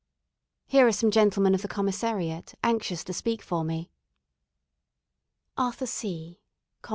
Here are some gentlemen of the Commissariat anxious to speak for me: "Arthur C , Comm.